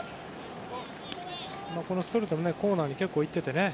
ストレートもコーナーに結構行っててね。